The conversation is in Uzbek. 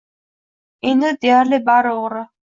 Endi deyarli bari o‘g‘ri.